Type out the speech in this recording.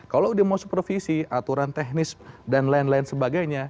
kalau dia mau supervisi aturan teknis dan lain lain sebagainya